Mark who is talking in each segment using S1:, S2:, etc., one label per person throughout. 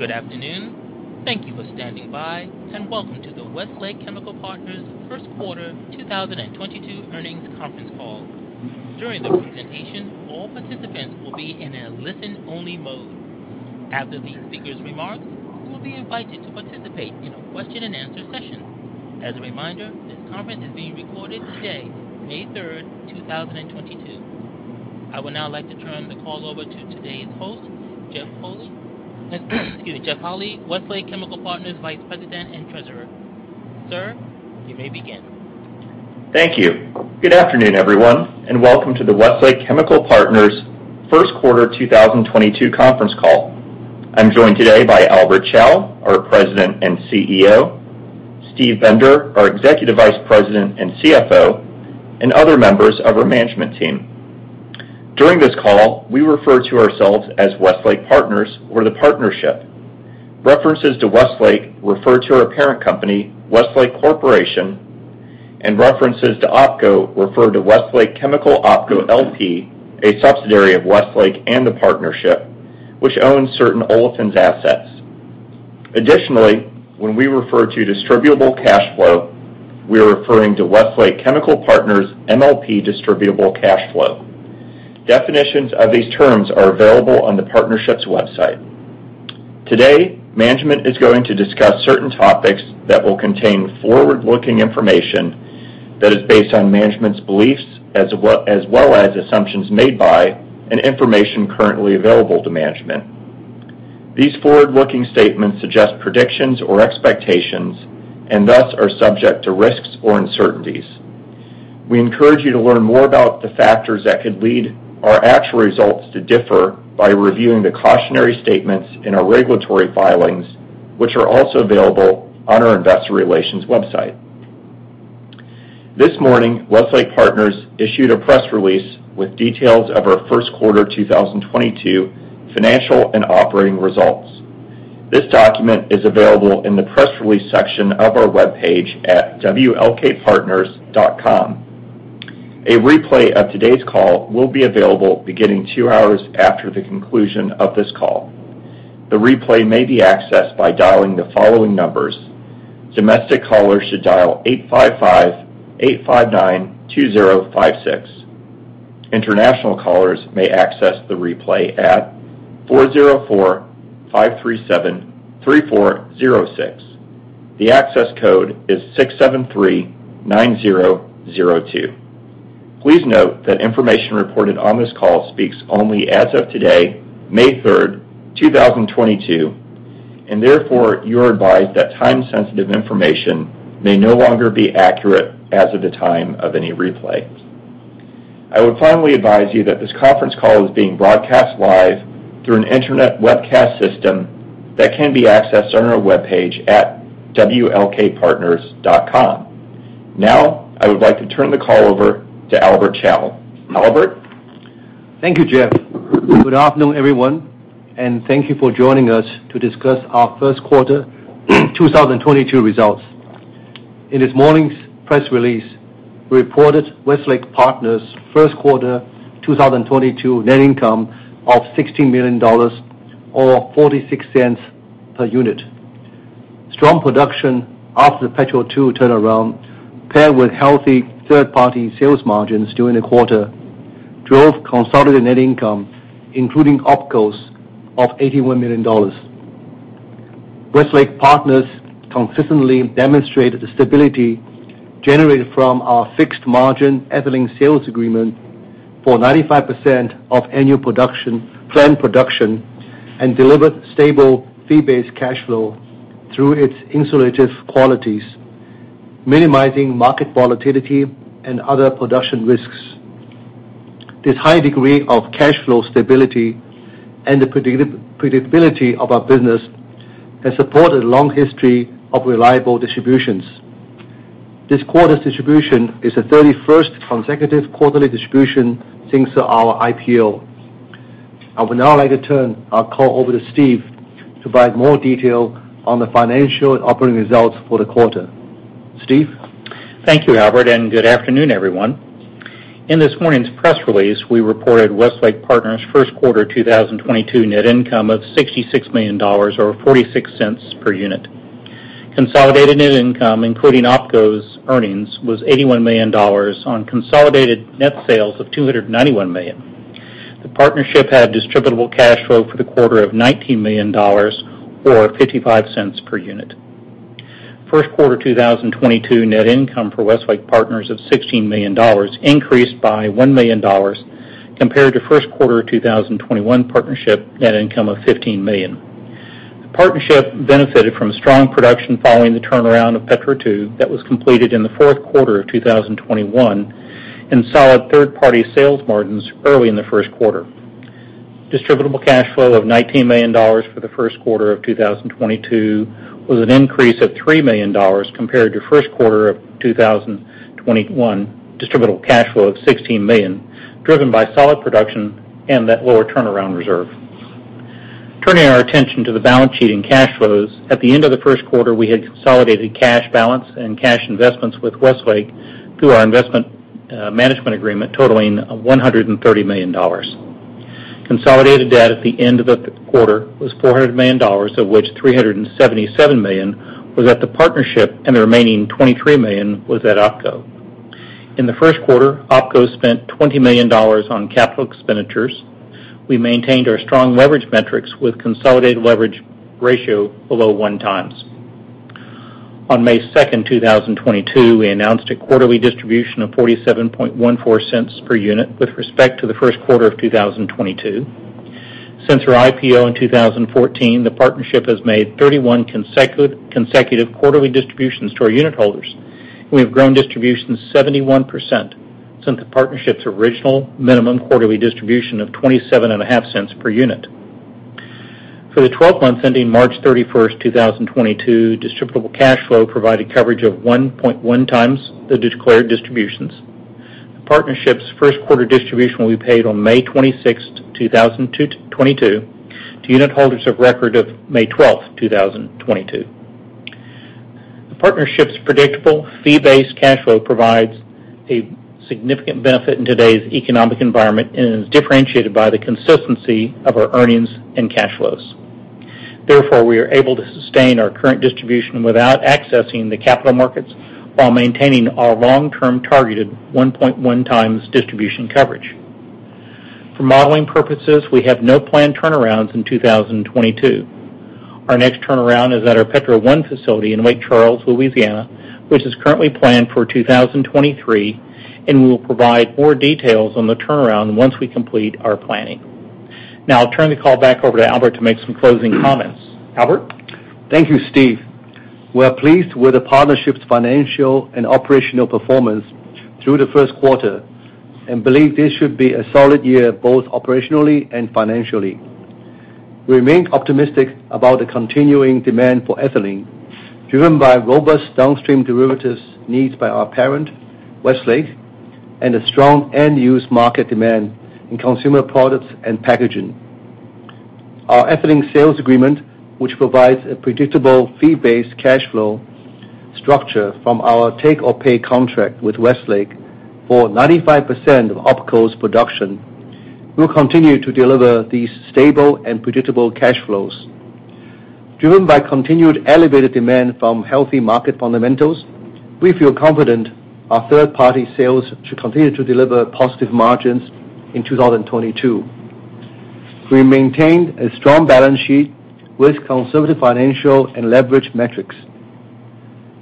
S1: Good afternoon. Thank you for standing by, and welcome to the Westlake Chemical Partners first quarter 2022 earnings conference call. During the presentation, all participants will be in a listen-only mode. After the speaker's remarks, you will be invited to participate in a question-and-answer session. As a reminder, this conference is being recorded today, May 3rd, 2022. I would now like to turn the call over to today's host, Jeff Holy. Excuse me, Jeff Holy, Westlake Chemical Partners Vice President and Treasurer. Sir, you may begin.
S2: Thank you. Good afternoon, everyone, and welcome to the Westlake Chemical Partners first quarter 2022 conference call. I'm joined today by Albert Chao, our President and CEO, Steve Bender, our Executive Vice President and CFO, and other members of our management team. During this call, we refer to ourselves as Westlake Partners or the Partnership. References to Westlake refer to our parent company, Westlake Corporation, and references to OpCo refer to Westlake Chemical OpCo LP, a subsidiary of Westlake and the Partnership, which owns certain Olefins assets. Additionally, when we refer to distributable cash flow, we are referring to Westlake Chemical Partners MLP distributable cash flow. Definitions of these terms are available on the Partnership's website. Today, management is going to discuss certain topics that will contain forward-looking information that is based on management's beliefs as well as assumptions made by and information currently available to management. These forward-looking statements suggest predictions or expectations and, thus, are subject to risks or uncertainties. We encourage you to learn more about the factors that could lead our actual results to differ by reviewing the cautionary statements in our regulatory filings, which are also available on our investor relations website. This morning, Westlake Partners issued a press release with details of our first quarter 2022 financial and operating results. This document is available in the press release section of our webpage at wlkpartners.com. A replay of today's call will be available beginning two hours after the conclusion of this call. The replay may be accessed by dialing the following numbers. Domestic callers should dial 855-859-2056. International callers may access the replay at 404-537-3406. The access code is 6739002. Please note that information reported on this call speaks only as of today, May 3rd, 2022, and therefore you're advised that time-sensitive information may no longer be accurate as of the time of any replay. I would finally advise you that this conference call is being broadcast live through an internet webcast system that can be accessed on our webpage at wlkpartners.com. Now, I would like to turn the call over to Albert Chao. Albert.
S3: Thank you, Jeff. Good afternoon, everyone, and thank you for joining us to discuss our first quarter 2022 results. In this morning's press release, we reported Westlake Chemical Partners first quarter 2022 net income of $60 million or $0.46 per unit. Strong production after the Petro Two turnaround, paired with healthy third-party sales margins during the quarter, drove consolidated net income, including OpCo's, of $81 million. Westlake Chemical Partners consistently demonstrated the stability generated from our fixed-margin ethylene sales agreement for 95% of annual production, planned production and delivered stable fee-based cash flow through its insulative qualities, minimizing market volatility and other production risks. This high degree of cash flow stability and the predictability of our business has supported a long history of reliable distributions. This quarter's distribution is the 31st consecutive quarterly distribution since our IPO. I would now like to turn our call over to Steve to provide more detail on the financial operating results for the quarter. Steve.
S4: Thank you, Albert, and good afternoon, everyone. In this morning's press release, we reported Westlake Chemical Partners' first quarter 2022 net income of $66 million or $0.46 per unit. Consolidated net income, including OpCo's earnings, was $81 million on consolidated net sales of $291 million. The Partnership had distributable cash flow for the quarter of $19 million or $0.55 per unit. First quarter 2022 net income for Westlake Chemical Partners of $16 million increased by $1 million compared to first quarter of 2021 Partnership net income of $15 million. The Partnership benefited from strong production following the turnaround of Petro Two that was completed in the fourth quarter of 2021 and solid third-party sales margins early in the first quarter. Distributable cash flow of $19 million for the first quarter of 2022 was an increase of $3 million compared to first quarter of 2021 distributable cash flow of $16 million, driven by solid production and that lower turnaround reserve. Turning our attention to the balance sheet and cash flows, at the end of the first quarter, we had consolidated cash balance and cash investments with Westlake through our investment management agreement totaling $130 million. Consolidated debt at the end of the quarter was $400 million, of which $377 million was at the partnership, and the remaining $23 million was at OpCo. In the first quarter, OpCo spent $20 million on capital expenditures. We maintained our strong leverage metrics with consolidated leverage ratio below 1x. On May 2nd, 2022, we announced a quarterly distribution of $0.4714 per unit with respect to the first quarter of 2022. Since our IPO in 2014, the partnership has made 31 consecutive quarterly distributions to our unitholders. We have grown distributions 71% since the partnership's original minimum quarterly distribution of $0.275 per unit. For the 12 months ending March 31st, 2022, distributable cash flow provided coverage of 1.1x the declared distributions. The partnership's first quarter distribution will be paid on May 26th, 2022 to unitholders of record on May 12th, 2022. The partnership's predictable fee-based cash flow provides a significant benefit in today's economic environment and is differentiated by the consistency of our earnings and cash flows. Therefore, we are able to sustain our current distribution without accessing the capital markets while maintaining our long-term targeted 1.1x distribution coverage. For modeling purposes, we have no planned turnarounds in 2022. Our next turnaround is at our Petro One facility in Lake Charles, Louisiana, which is currently planned for 2023, and we will provide more details on the turnaround once we complete our planning. Now I'll turn the call back over to Albert to make some closing comments. Albert?
S3: Thank you, Steve. We're pleased with the partnership's financial and operational performance through the first quarter and believe this should be a solid year, both operationally and financially. We remain optimistic about the continuing demand for ethylene, driven by robust downstream derivatives needs by our parent, Westlake, and a strong end-use market demand in consumer products and packaging. Our ethylene sales agreement, which provides a predictable fee-based cash flow structure from our take-or-pay contract with Westlake for 95% of OpCo's production, will continue to deliver these stable and predictable cash flows. Driven by continued elevated demand from healthy market fundamentals, we feel confident our third-party sales should continue to deliver positive margins in 2022. We maintained a strong balance sheet with conservative financial and leverage metrics.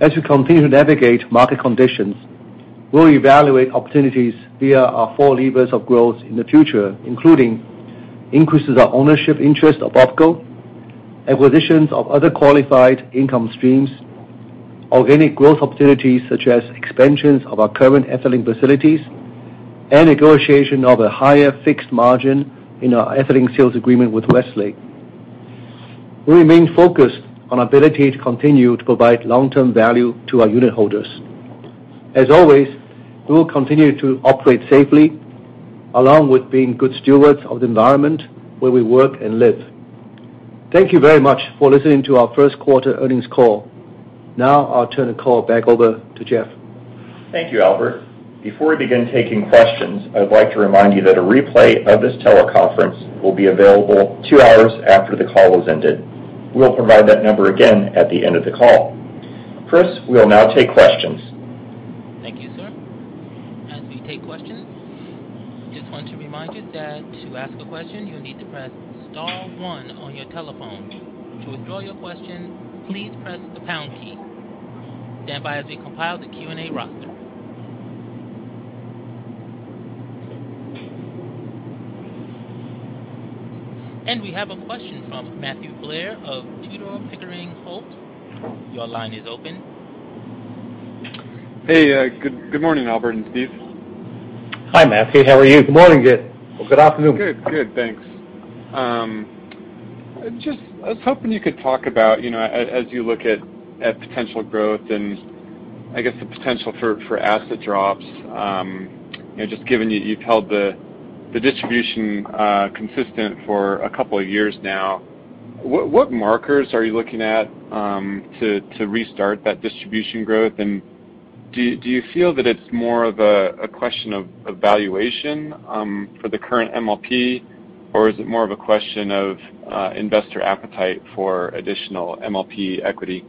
S3: As we continue to navigate market conditions, we'll evaluate opportunities via our four levers of growth in the future, including increases of ownership interest of OpCo, acquisitions of other qualified income streams, organic growth opportunities, such as expansions of our current ethylene facilities, and negotiation of a higher fixed margin in our ethylene sales agreement with Westlake. We remain focused on our ability to continue to provide long-term value to our unitholders. As always, we will continue to operate safely, along with being good stewards of the environment where we work and live. Thank you very much for listening to our first quarter earnings call. Now I'll turn the call back over to Jeff.
S2: Thank you, Albert. Before we begin taking questions, I would like to remind you that a replay of this teleconference will be available two hours after the call has ended. We'll provide that number again at the end of the call. Chris, we'll now take questions.
S1: Thank you, sir. As we take questions, just want to remind you that to ask a question, you'll need to press star one on your telephone. To withdraw your question, please press the pound key. Stand by as we compile the Q and A roster. We have a question from Matthew Blair of Tudor, Pickering, Holt & Co. Your line is open.
S5: Hey, good morning, Albert and Steve.
S3: Hi, Matthew. How are you? Good morning, good. Or good afternoon.
S5: Good. Good. Thanks. Just, I was hoping you could talk about, you know, as you look at potential growth and I guess the potential for asset drops, you know, just given you've held the distribution consistent for a couple of years now. What metrics are you looking at to restart that distribution growth? Do you feel that it's more of a question of valuation for the current MLP? Is it more of a question of investor appetite for additional MLP equity?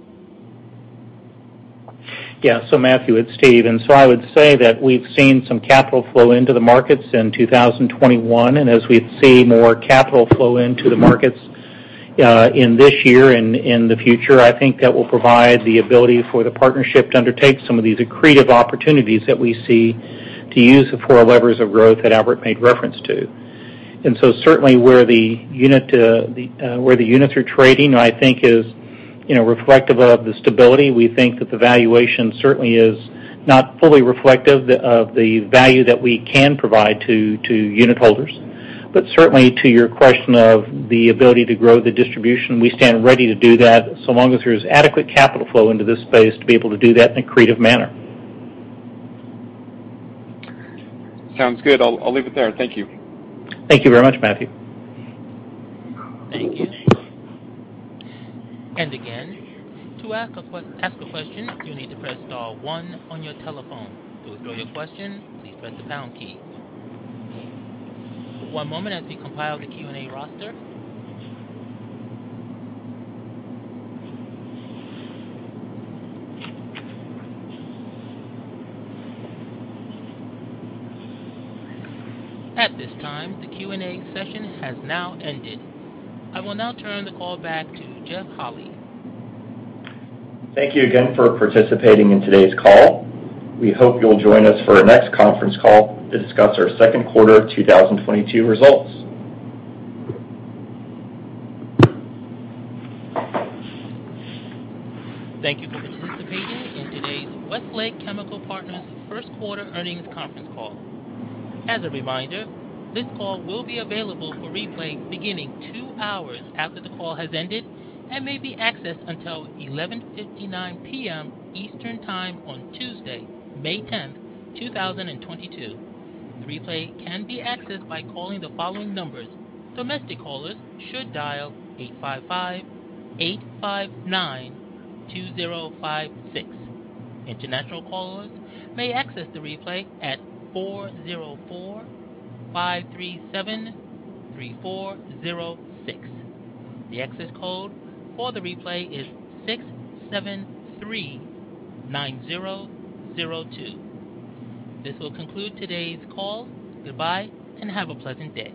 S4: Yeah. Matthew, it's Steve. I would say that we've seen some capital flow into the markets in 2021, and as we see more capital flow into the markets, in this year and in the future, I think that will provide the ability for the partnership to undertake some of these accretive opportunities that we see to use the four levers of growth that Albert made reference to. Certainly where the units are trading, I think it is, you know, reflective of the stability. We think that the valuation certainly is not fully reflective of the value that we can provide to unitholders. Certainly to your question of the ability to grow the distribution, we stand ready to do that so long as there's adequate capital flow into this space to be able to do that in accretive manner.
S5: Sounds good. I'll leave it there. Thank you.
S4: Thank you very much, Matthew.
S1: Thank you. Again, to ask a question, you need to press star one on your telephone. To withdraw your question, please press the pound key. One moment as we compile the Q and A roster. At this time, the Q and A session has now ended. I will now turn the call back to Jeff Holy.
S2: Thank you again for participating in today's call. We hope you'll join us for our next conference call to discuss our second quarter of 2022 results.
S1: Thank you for participating in today's Westlake Chemical Partners first quarter earnings conference call. As a reminder, this call will be available for replay beginning two hours after the call has ended and may be accessed until 11:59 P.M. Eastern Time on Tuesday, May 10th, 2022. The replay can be accessed by calling the following numbers: domestic callers should dial 855-859-2056. International callers may access the replay at 404-537-3406. The access code for the replay is 6739002. This will conclude today's call. Goodbye, and have a pleasant day.